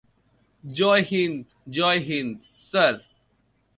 জয় হিন্দ জয় হিন্দ, স্যার।